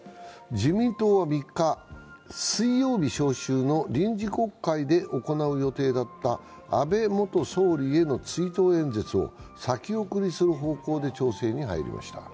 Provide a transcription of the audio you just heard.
自民党は３日、水曜日招集の臨時国会で行う予定だった安倍元総理への追悼演説を先送りする方向で調整に入りました。